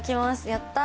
やった。